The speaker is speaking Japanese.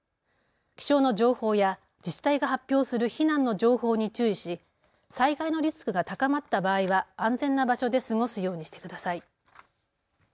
気象の情報や自治体が発表する避難の情報に注意し災害のリスクが高まった場合は安全な場所で過ごすようにしてください。